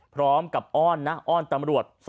พร้อมกับอ้อนนะอ้อนตำรวจ